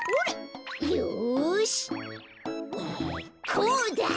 こうだ！